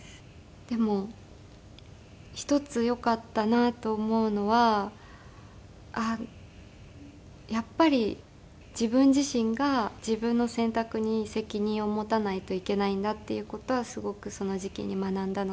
でも１つよかったなと思うのはやっぱり自分自身が自分の選択に責任を持たないといけないなっていう事はすごくその時期に学んだので。